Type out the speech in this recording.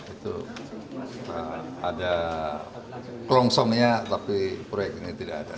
itu ada klongsongnya tapi proyek ini tidak ada